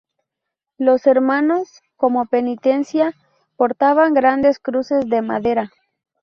Los hermanos, como penitencia, portaban grandes cruces de madera.